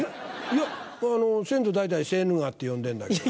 いや先祖代々セーヌ川って呼んでんだけど。